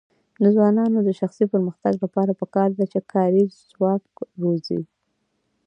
د ځوانانو د شخصي پرمختګ لپاره پکار ده چې کاري ځواک روزي.